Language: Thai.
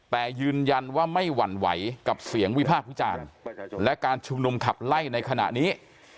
แต่ยืนยันว่าไม่หวั่นไหวกับเสียงวิพากษ์วิจารณ์และการชุมนุมขับไล่ในขณะนี้